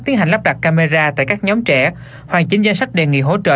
tiến hành lắp đặt camera tại các nhóm trẻ hoàn chỉnh danh sách đề nghị hỗ trợ